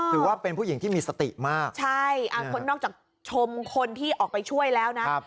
ถือว่าเป็นผู้หญิงที่มีสติมากใช่คนนอกจากชมคนที่ออกไปช่วยแล้วนะ